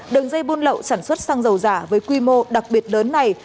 đường dây buôn lậu sản xuất xăng dầu giả với quy mô đặc biệt lớn này